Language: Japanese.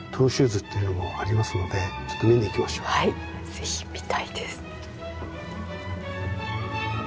是非見たいです。